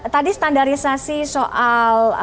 tadi standarisasi soal